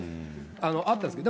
あったんですけど。